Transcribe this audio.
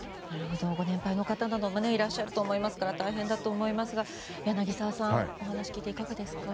ご年配の方などもいらっしゃるでしょうから大変だと思いますが柳澤さんはお話聞いていかがですか？